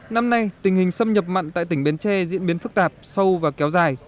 năm nay tình hình xâm nhập mặn tại tỉnh bến tre diễn biến phức tạp sâu và kéo dài